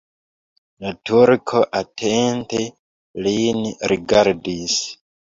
La turko atente lin rigardis.